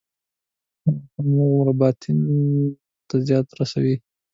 هماغومره باطن ته زیان رسوي.